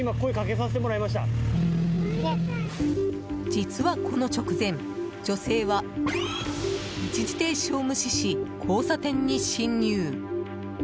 実は、この直前女性は一時停止を無視し交差点に進入。